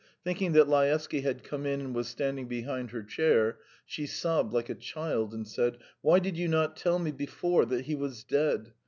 Thinking that Laevsky had come in and was standing behind her chair, she sobbed like a child, and said: "Why did you not tell me before that he was dead?